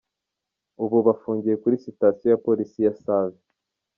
Ubu bafungiye kuri Sitasiyo ya Polisi ya Save.